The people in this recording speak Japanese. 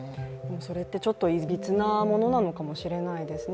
それってちょっと、いびつなものなのかもしれないですね。